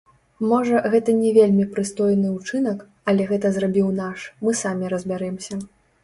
Можа, гэта не вельмі прыстойны ўчынак, але гэта зрабіў наш, мы самі разбярэмся.